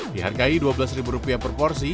dihargai dua belas rupiah per porsi